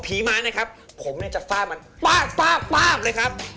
ผมจะแฟ่มันป๊าบเลยครับ